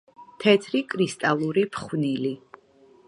თეთრი კრისტალური ფხვნილი.